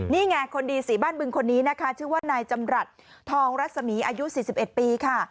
นี่ไงคนดีสีบ้านบึงคนนี้นะคะชื่อว่านายจำรัฐทองรัศมีอายุ๔๑ปีค่ะ